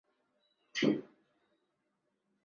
后来李嘉诚把中国的投资项目组成长江基建。